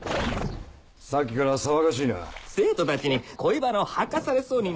さっきから騒がしいな生徒たちに恋バナを吐かされそうになりました